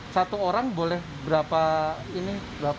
satu orang boleh berapa ini